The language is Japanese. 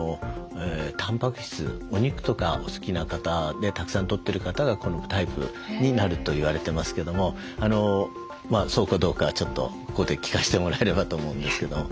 たんぱく質お肉とかお好きな方でたくさんとってる方がこのタイプになると言われてますけどもそうかどうかはちょっとここで聞かせてもらえればと思うんですけども。